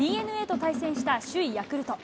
ＤｅＮＡと対戦した首位ヤクルト。